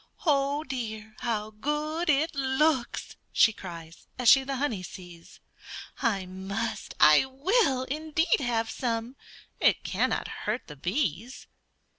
"Oh, dear! how good it looks!" she cries, As she the honey sees; "I must, I will, indeed, have some; It cannot hurt the bees."